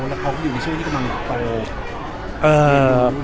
แล้วเขาก็อยู่ในช่วงที่กำลังโต